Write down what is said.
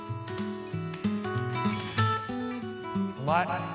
うまい！